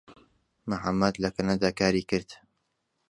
محەممەد لە کەنەدا کاری کرد.